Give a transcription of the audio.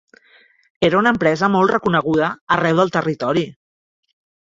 Era una empresa molt reconeguda arreu del territori.